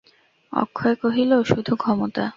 অক্ষয় কহিল, শুধু ক্ষমতা!